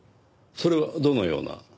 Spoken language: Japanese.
それはどのような？